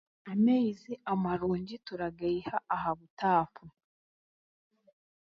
Amaizi amarungi turagaiha aha butaapu.